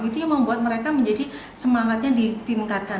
itu yang membuat mereka menjadi semangatnya ditingkatkan